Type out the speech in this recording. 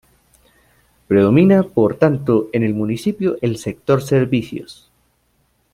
Predomina por tanto en el municipio el sector servicios.